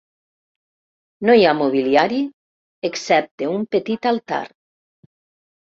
No hi ha mobiliari, excepte un petit altar.